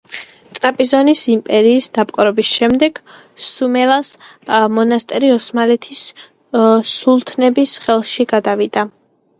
ტრაპიზონის იმპერიის დაპყრობის შემდეგ სუმელას მონასტერი ოსმალეთის სულთნების ხელში გადავიდა.